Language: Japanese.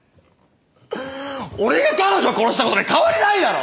俺が彼女殺したことに変わりないだろ！